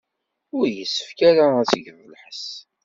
Ur yessefk ara ad tged lḥess.